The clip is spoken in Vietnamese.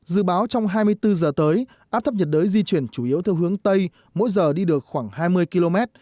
dự báo trong hai mươi bốn giờ tới áp thấp nhiệt đới di chuyển chủ yếu theo hướng tây mỗi giờ đi được khoảng hai mươi km